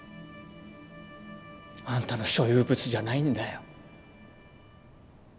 あんたの所有物じゃないんだよ。